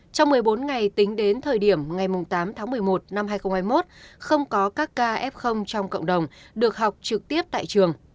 trong một mươi bốn ngày tính đến thời điểm ngày tám tháng một mươi một năm hai nghìn hai mươi một không có các ca f trong cộng đồng được học trực tiếp tại trường